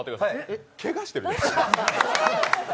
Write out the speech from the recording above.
けがしてる？